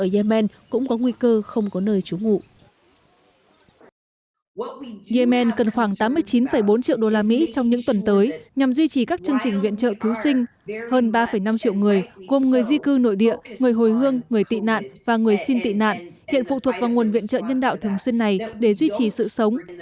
yemen cần khoảng tám mươi chín bốn triệu đô la mỹ trong những tuần tới nhằm duy trì các chương trình viện trợ cứu sinh hơn ba năm triệu người gồm người di cư nội địa người hồi hương người tị nạn và người xin tị nạn hiện phụ thuộc vào nguồn viện trợ nhân đạo thường xuyên này để duy trì sự sống